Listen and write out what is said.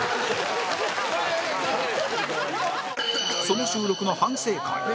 その収録の反省会